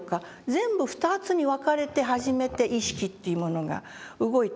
全部２つに分かれて初めて意識というものが動いてるんだって。